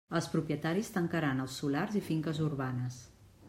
Els propietaris tancaran els solars i finques urbanes.